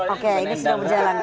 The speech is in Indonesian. oke ini sudah berjalan